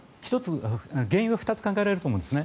原因は２つ考えられると思うんです。